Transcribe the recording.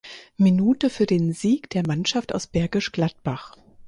Minute für den Sieg der Mannschaft aus Bergisch Gladbach.